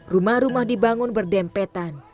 rumah rumah dibangun berdempetan